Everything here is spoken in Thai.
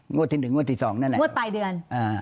ที่๑งวดที่๒นั่นแหละงวดปลายเดือน